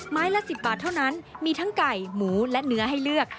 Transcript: ละ๑๐บาทเท่านั้นมีทั้งไก่หมูและเนื้อให้เลือก